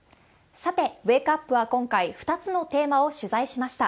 さて、ウェークアップは今回、２つのテーマを取材しました。